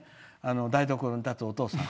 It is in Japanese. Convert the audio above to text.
台所に立つお父さん。